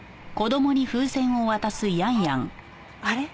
あれ？